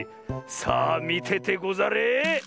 さあみててござれ！